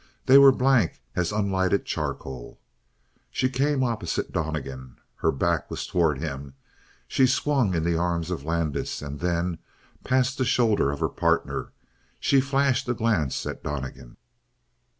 They were blank as unlighted charcoal. She came opposite Donnegan, her back was toward him; she swung in the arms of Landis, and then, past the shoulder of her partner, she flashed a glance at Donnegan.